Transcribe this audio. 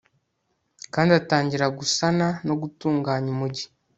kandi atangira gusana no gutunganya umugi